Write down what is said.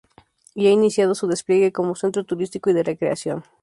Y ha iniciado su despliegue como centro turístico y de recreación.